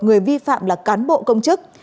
người vi phạm là cán bộ công chức